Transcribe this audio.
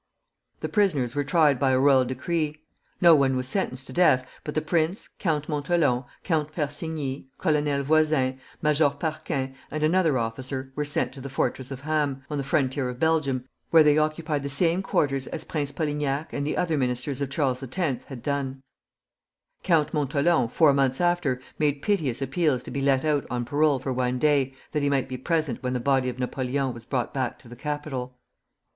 The prisoners were tried by a royal decree. No one was sentenced to death, but the prince, Count Montholon, Count Persigny, Colonel Voisin, Major Parquin, and another officer were sent to the fortress of Ham, on the frontier of Belgium, where they occupied the same quarters as Prince Polignac and the other ministers of Charles X. had done. Count Montholon, four months after, made piteous appeals to be let out on parole for one day, that he might be present when the body of Napoleon was brought back to the capital.